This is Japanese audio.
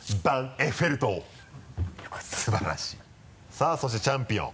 さぁそしてチャンピオン。